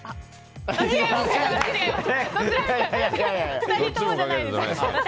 ２人ともじゃないです！